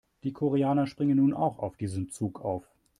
Die Koreaner springen nun auch auf diesen Zug auf.